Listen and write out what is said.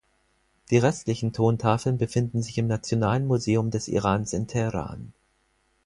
Die restlichen Tontafeln befinden sich im Nationalen Museum des Irans in Teheran.